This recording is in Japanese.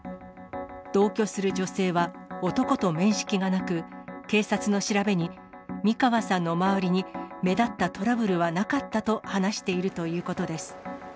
同居する女性は、男と面識がなく、警察の調べに、三川さんの周りに目立ったトラブルはなかったと話しているということです。